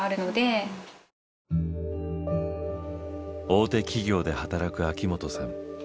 大手企業で働く秋本さん。